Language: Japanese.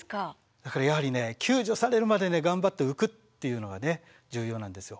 だからやはり救助されるまで頑張って浮くっていうのは重要なんですよ。